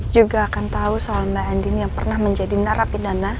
juga akan tahu soal mbak andin yang pernah menjadi narapidana